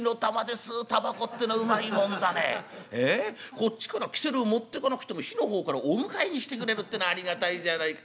こっちからキセル持ってかなくても火の方からお迎えに来てくれるってのはありがたいじゃないか。